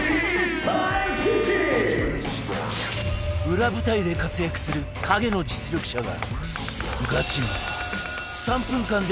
裏舞台で活躍する影の実力者が